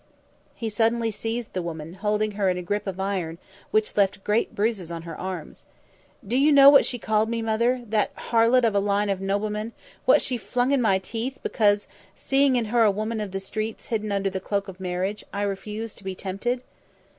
He suddenly seized the woman, holding her in a grip of iron which left great bruises on her arms. "Do you know what she called me, Mother? that harlot of a line of noblemen what she flung in my teeth because, seeing in her a woman of the streets hidden under the cloak of marriage, I refused to be tempted?"